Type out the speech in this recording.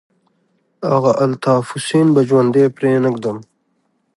هغه الطاف حسين به ژوندى پرې نه ږدم.